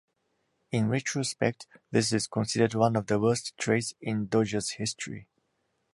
In retrospect, this is considered one of the worst trades in Dodgers history.